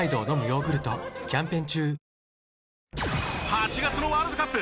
８月のワールドカップ